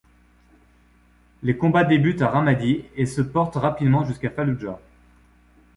Les combats débutent à Ramadi et se portent rapidement jusqu'à Falloujah.